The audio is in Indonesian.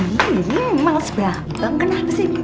ini mas bambang kenapa sih